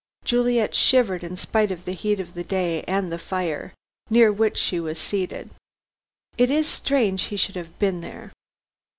Juliet shivered in spite of the heat of the day and the fire, near which she was seated. "It is strange he should have been there."